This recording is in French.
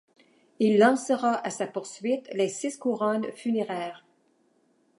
Il lancera à sa poursuite les six couronnes funéraires.